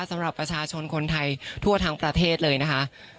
สำหรับประชาชนคนไทยทั่วทั้งประเทศเลยนะคะ